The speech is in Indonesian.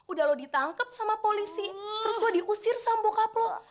udah lo ditangkap sama polisi terus gue diusir sama bokap lo